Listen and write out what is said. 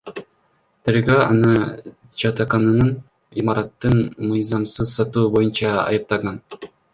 Тергөө аны жатакананын имаратын мыйзамсыз сатуу боюнча айыптаган.